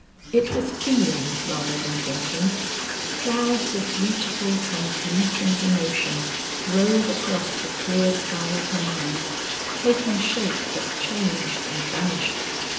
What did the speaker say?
It was feeling rather than thinking; clouds of beautiful translucent emotion drove across the clear sky of her mind, taking shape that changed and vanished.